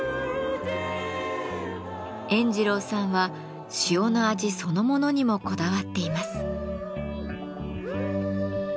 塩二郎さんは塩の味そのものにもこだわっています。